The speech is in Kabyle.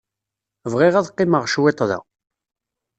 Bɣiɣ ad qqimeɣ cwiṭ da.